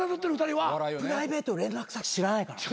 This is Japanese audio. プライベート連絡先知らないから。